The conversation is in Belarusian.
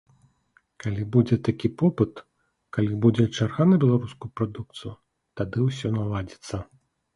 Калі будзе такі попыт, калі будзе чарга на беларускую прадукцыю, тады ўсё наладзіцца.